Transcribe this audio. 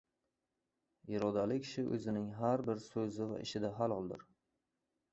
Irodali kishi o‘zining har bir so‘zi va ishida haloldir.